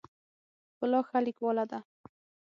ښکلا ښه لیکواله ده.